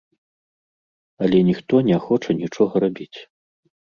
Але ніхто не хоча нічога рабіць.